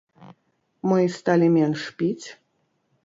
Мы сталі менш піць?